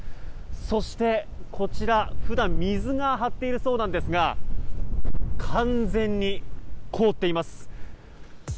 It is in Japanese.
そして、こちら普段、水が張っているそうですが完全に凍っています。